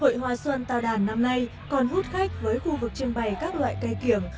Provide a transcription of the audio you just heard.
hội hoa xuân tào đàn năm nay còn hút khách với khu vực trưng bày các loại cây kiểng